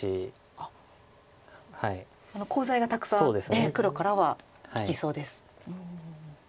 あっコウ材がたくさん黒からは利きそうです。